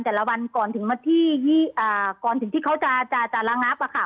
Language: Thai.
แต่ละวันก่อนถึงที่เขาจะระนับว่าค่ะ